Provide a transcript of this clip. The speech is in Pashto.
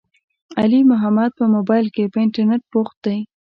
علي محمد په مبائل کې، په انترنيت بوخت دی.